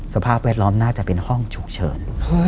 สภาพแวดล้อมน่าจะเป็นห้องฉุกเฉิน